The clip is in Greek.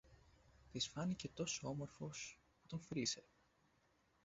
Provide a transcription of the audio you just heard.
Της φάνηκε τόσο όμορφος, που τον φίλησε.